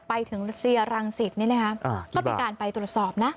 ไปถึงเซียรังสิตก็มีการไปตรวจสอบนะ